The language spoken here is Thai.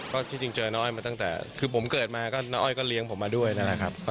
ก็จริงเจอน้าอ้อยมาตั้งแต่คือผมเกิดมาน้าอ้อยก็เลี้ยงผมมาด้วยนะครับ